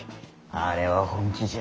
あれは本気じゃ。